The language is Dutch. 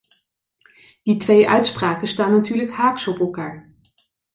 Die twee uitspraken staan natuurlijk haaks op elkaar.